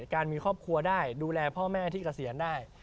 การมีครอบครัวได้ดูแลพ่อแม่ที่เกษียณได้